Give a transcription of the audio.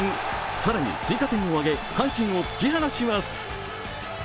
更に追加点を挙げ、阪神を突き放します。